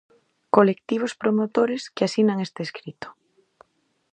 Colectivos promotores que asinan este escrito: